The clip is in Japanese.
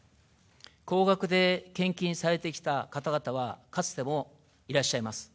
高額で献金されてきた方々は、かつてもいらっしゃいます。